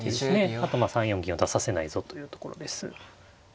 あとまあ３四銀を出させないぞというところです。